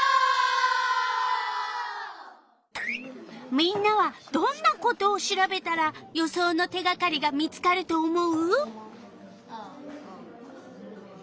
みんなはどんなことを調べたら予想の手がかりが見つかると思う？